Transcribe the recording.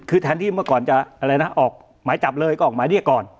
คือแทนที่เมื่อก่อนจะอะไรนะออกหมายจับเลยก็ออกหมายเรียกก่อน